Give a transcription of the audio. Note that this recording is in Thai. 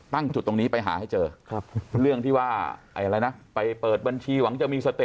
ตั้งจุดตรงนี้ไปหาเจอเรื่องที่ว่าไปเปิดบัญชีหวังจะมี